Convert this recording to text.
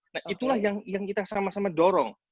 nah itulah yang kita sama sama dorong